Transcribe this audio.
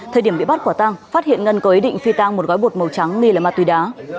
thời điểm bị bắt quả tăng phát hiện ngân có ý định phi tăng một gói bột màu trắng nghi là ma túy đá